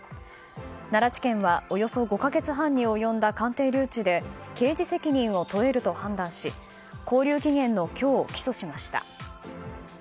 奈良地検はおよそ５か月半に及んだ鑑定留置で刑事責任を問えると判断し勾留期限の今日、起訴しました。